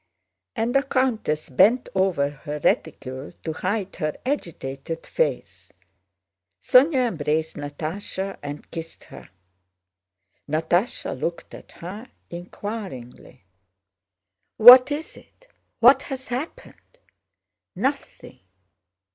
And the countess bent over her reticule to hide her agitated face. Sónya embraced Natásha and kissed her. Natásha looked at her inquiringly. "What is it? What has happened?" "Nothing...